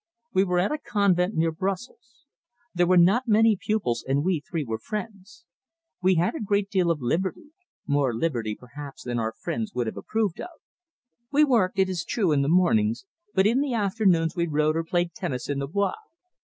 We were at a convent near Brussels. There were not many pupils, and we three were friends.... "We had a great deal of liberty more liberty, perhaps, than our friends would have approved of. We worked, it is true, in the mornings, but in the afternoons we rode or played tennis in the Bois.